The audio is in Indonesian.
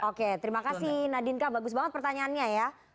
oke terima kasih nadinka bagus banget pertanyaannya ya